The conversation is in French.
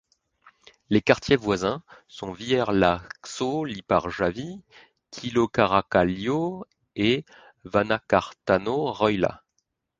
Les quartiers voisins sont Viherlaakso-Lippajärvi, Kilo-Karakallio et Vanhakartano-Röylä.